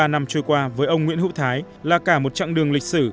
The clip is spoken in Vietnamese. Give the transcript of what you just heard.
bốn mươi năm trôi qua với ông nguyễn hữu thái là cả một chặng đường lịch sử